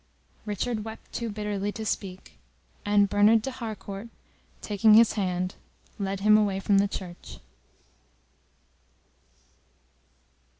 Richard wept too bitterly to speak, and Bernard de Harcourt, taking his hand, led him away from the Church.